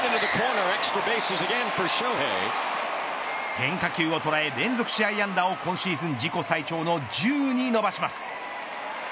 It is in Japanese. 変化球を捉え、連続試合安打を今シーズン自己最長の１０に伸ばします。